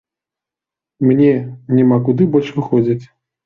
Мне няма куды больш выходзіць.